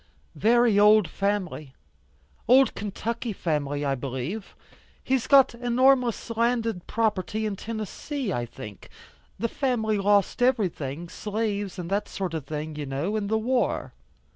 "Very old family, old Kentucky family I believe. He's got enormous landed property in Tennessee, I think. The family lost everything, slaves and that sort of thing, you know, in the war.